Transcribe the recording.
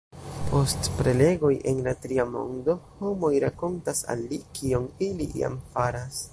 Post prelegoj en la Tria Mondo homoj rakontas al li kion ili jam faras!